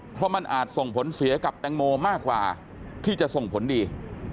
เพราะมันอาจส่งผลเสียกับแตงโมมากกว่าที่จะส่งผลดี